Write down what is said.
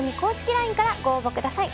ＬＩＮＥからご応募ください。